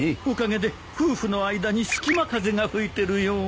おかげで夫婦の間にすきま風が吹いてるよ。